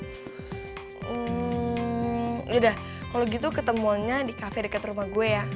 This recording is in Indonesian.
hmm ya udah kalo gitu ketemuannya di cafe deket rumah gue ya